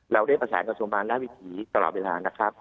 เราได้ประแสกับโทษงบาลรหัสวิติตลอดเวลา